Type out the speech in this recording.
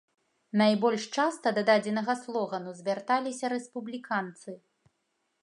Найбольш часта да дадзенага слогану звярталіся рэспубліканцы.